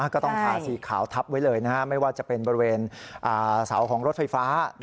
ก็ต้องทาสีขาวทับไว้เลยไม่ว่าจะเป็นบริเวณเสาของรถไฟฟ้า